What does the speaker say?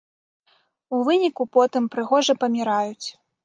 У выніку потым прыгожа паміраюць.